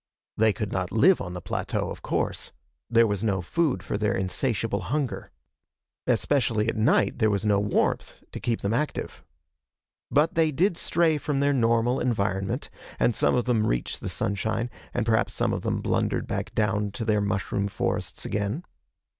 They could not live on the plateau, of course. There was no food for their insatiable hunger. Especially at night, there was no warmth to keep them active. But they did stray from their normal environment, and some of them reached the sunshine, and perhaps some of them blundered back down to their mushroom forests again.